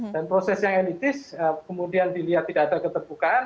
dan proses yang elitis kemudian dilihat tidak ada ketepukan